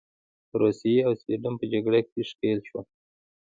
روسیې او سوېډن په جګړه کې ښکیل شول.